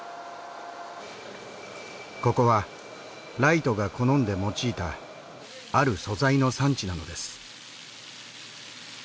ここはライトが好んで用いたある素材の産地なのです。